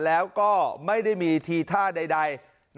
แล้วก็ไม่ได้มีทีท่าใด